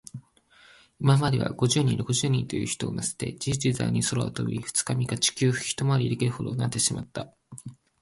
いまでは、五十人、六十人という人をのせて、じゆうじざいに空を飛び、二、三日で地球をひとまわりできるほどになってしまった。